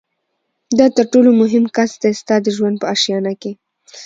دا تر ټولو مهم کس دی ستا د ژوند په آشیانه کي